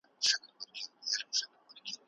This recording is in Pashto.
که نیت پاک وي منزل اسانه دی.